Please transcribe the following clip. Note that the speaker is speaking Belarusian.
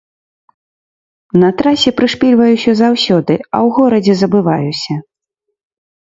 На трасе прышпільваюся заўсёды, а ў горадзе забываюся.